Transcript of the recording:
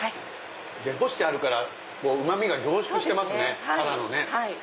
で干してあるからうまみが凝縮してますねタラの。